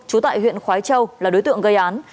trú tại huyện khói châu là đối tượng gây án